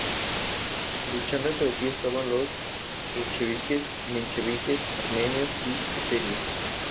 Su primer álbum "Flores" combina ambas visiones acerca de la música europea y latinoamericana.